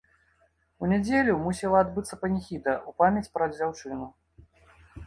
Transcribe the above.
У нядзелю мусіла адбыцца паніхіда ў памяць пра дзяўчыну.